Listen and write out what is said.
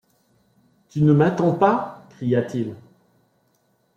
Tu ne m’attends pas ? cria-t-il